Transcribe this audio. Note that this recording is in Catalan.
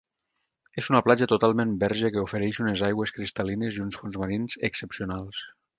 És una platja totalment verge que ofereix unes aigües cristal·lines i uns fons marins excepcionals.